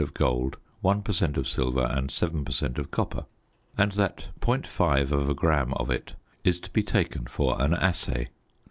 of gold, 1 per cent. of silver and 7 per cent. of copper, and that .5 gram of it is to be taken for an assay.